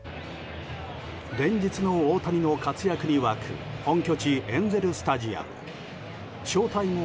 連日の大谷の活躍に沸く本拠地エンゼル・スタジアム。